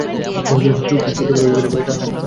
ছোটবেলা কেটেছে আসাম-বেঙ্গল রেলওয়ের কোয়ার্টারে।